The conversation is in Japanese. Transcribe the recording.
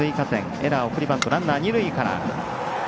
エラー、送りバントランナー、二塁から。